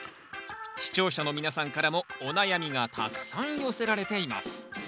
視聴者の皆さんからもお悩みがたくさん寄せられています